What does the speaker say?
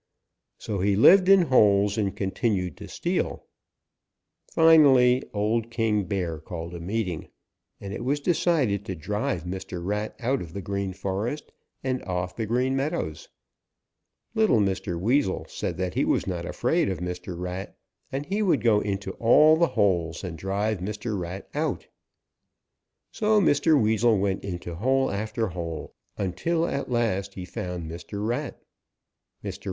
So he lived in holes and continued to steal. Finally old King Bear called a meeting, and it was decided to drive Mr. Rat out of the Green Forest and off the Green Meadows. Little Mr. Weasel said that he was not afraid of Mr. Rat, and he would go into all the holes and drive Mr. Rat out. So Mr. Weasel went into hole after hole until at last he found Mr. Rat. Mr.